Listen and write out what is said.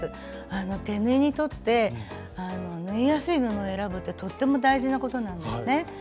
手縫いにとって縫いやすい布を選ぶってとっても大事なことなんですね。